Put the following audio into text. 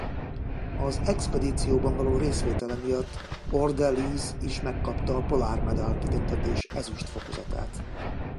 Az expedícióban való részvétele miatt Orde-Lees is megkapta a Polar Medal kitüntetés ezüst fokozatát.